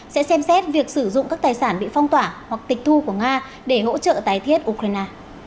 sẽ xem xét việc sử dụng các tài sản bị phong tỏa hoặc tịch thu của nga để hỗ trợ tái thiết ukraine